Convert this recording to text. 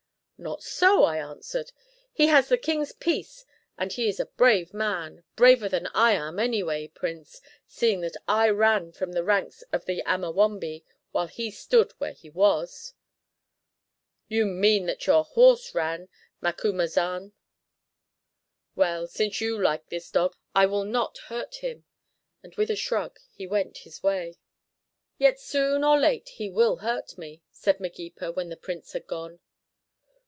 "Not so," I answered; "he has the king's peace and he is a brave man braver than I am, anyway, Prince, seeing that I ran from the ranks of the Amawombe, while he stood where he was." "You mean that your horse ran, Macumazahn. Well, since you like this dog, I will not hurt him"; and with a shrug he went his way. "Yet soon or late he will hurt me," said Magepa, when the Prince had gone.